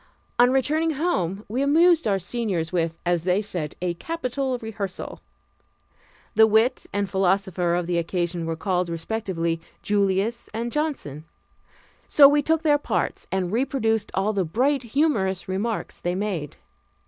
On returning home we amused our seniors with, as they said, a capital rehearsal. The wit and philosopher of the occasion were called, respectively, Julius and Johnson; so we took their parts and reproduced all the bright, humorous remarks they made.